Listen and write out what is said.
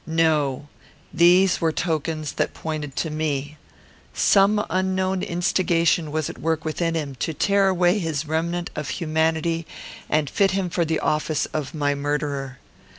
No. These were tokens that pointed to me. Some unknown instigation was at work within him, to tear away his remnant of humanity and fit him for the office of my murderer.